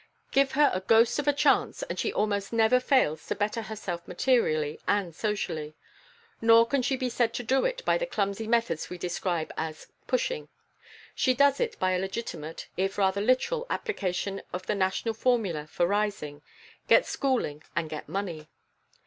Give her a ghost of a chance and she almost never fails to better herself materially and socially. Nor can she be said to do it by the clumsy methods we describe as "pushing." She does it by a legitimate, if rather literal, application of the national formula for rising, get schooling and get money.